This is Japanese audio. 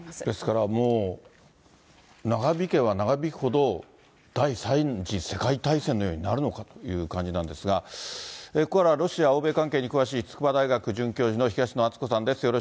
ですからもう、長引けば長引くほど、第３次世界大戦のようになるのかという感じなんですが、ここからはロシア欧米関係に詳しい、筑波大学准教授の東野篤子さんです。